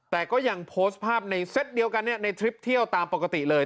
แต่ก็ยังโพสต์ภาพในเซตเดียวกันในทริปเที่ยวตามปกติเลย